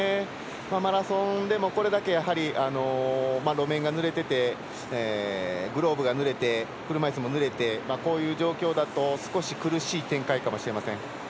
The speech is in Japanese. マラソンでも、これだけやはり路面がぬれていてグローブがぬれて車いすもぬれてこういう状況だと少し苦しい展開かもしれません。